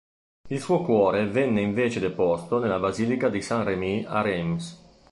Il suo cuore venne invece deposto nella basilica di Saint-Remi a Reims.